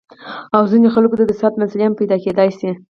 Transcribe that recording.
او ځينې خلکو ته د صحت مسئلې هم پېدا کېدے شي -